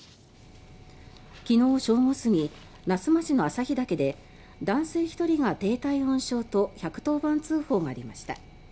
昨日正午過ぎ那須町の朝日岳で男性１人が低体温症と１１０番通報がありました。